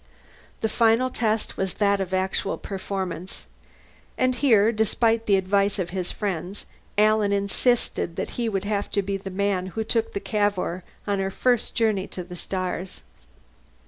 The final test was that of actual performance. And here, despite the advice of his friends, Alan insisted that he would have to be the man who took the Cavour on her first journey to the stars.